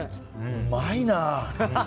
うまいな！